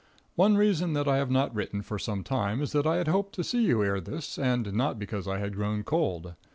One reason that I have not written for some time is that I had hoped to see you ere this, and not because I had grown cold.